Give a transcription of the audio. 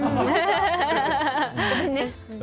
ごめんね。